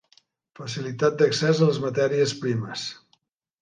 Facilitat d'accés a les matèries primes.